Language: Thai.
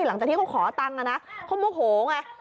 หลังจากที่เขาขอตังค์นะเขาโมโหไง